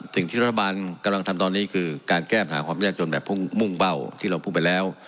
สิ่งที่รัฐบาลกำลังทำตอนนี้คือการแก้ปัญหาความยากจนแบบมุ่งเบ้าที่เราพูดไปแล้ว